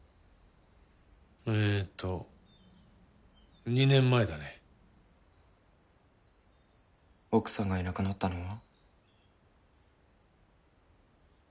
えっと２年前だね奥さんがいなくなったのは？